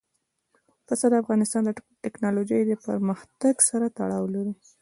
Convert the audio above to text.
پسه د افغانستان د تکنالوژۍ پرمختګ سره تړاو لري.